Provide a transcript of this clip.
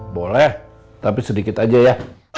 boleh tapi sedikit aja ya